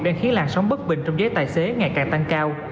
đang khiến làn sóng bất bình trong giới tài xế ngày càng tăng cao